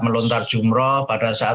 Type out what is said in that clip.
melontar jumrah pada saat